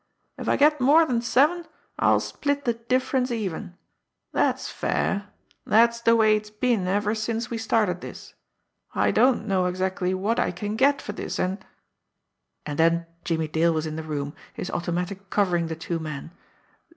"If I get more than seven, I'll split the difference even. That's fair. That's the way it's been ever since we started this. I don't know exactly what I can get for this, and " And then Jimmie Dale was in the room, his automatic covering the two men.